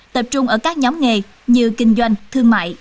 tập trung ở các nhóm nghề như kinh doanh thương mại